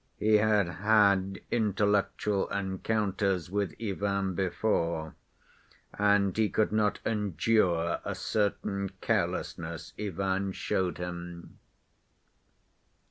He had had intellectual encounters with Ivan before and he could not endure a certain carelessness Ivan showed him.